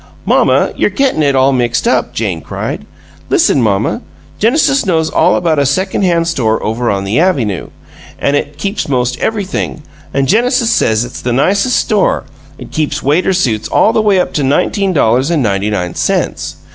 "Mamma, you're gettin' it all mixed up!" Jane cried. "Listen, mamma! Genesis knows all about a second hand store over on the avynoo; an' it keeps 'most everything, an' Genesis says it's the nicest store! It keeps waiter suits all the way up to nineteen dollars and ninety nine cents.